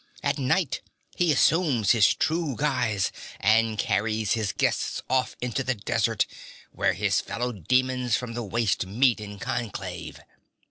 At night he assumes his true guise and carries his guests off into the desert where his fellow demons from the waste meet in conclave.'